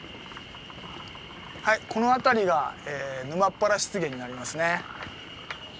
はいこの辺りが沼ッ原湿原になりますね。